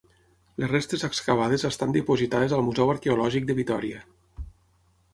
Les restes excavades estan dipositades al Museu Arqueològic de Vitòria.